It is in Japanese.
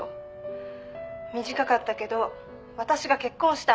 短かったけど私が結婚した相手でしょ。